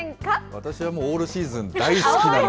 私はもうオールシーズン大好きなので。